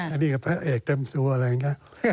อันนี้กับพระเอกเต็มตัวอะไรอย่างนี้